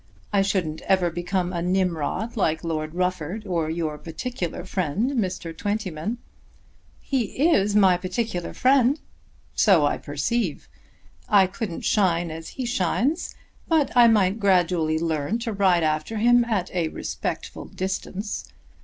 I shouldn't ever become a Nimrod, like Lord Rufford or your particular friend Mr. Twentyman." "He is my particular friend." "So I perceive. I couldn't shine as he shines, but I might gradually learn to ride after him at a respectful distance.